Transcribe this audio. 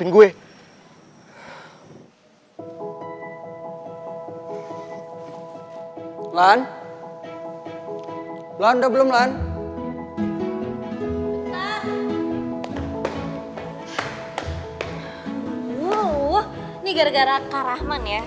ini gara gara kak rahman ya